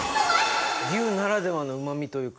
牛ならではのうま味というか。